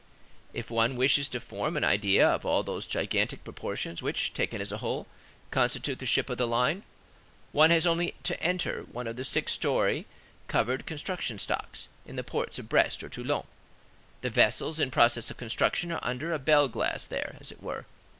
If one wishes to form an idea of all those gigantic proportions which, taken as a whole, constitute the ship of the line, one has only to enter one of the six story covered construction stocks, in the ports of Brest or Toulon. The vessels in process of construction are under a bell glass there, as it were.